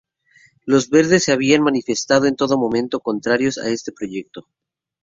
Los Verdes se habían manifestado en todo momento contrarios a este proyecto.